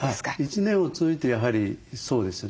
一年を通じてやはりそうですね。